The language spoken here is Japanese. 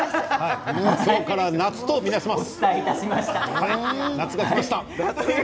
今から夏とみなします。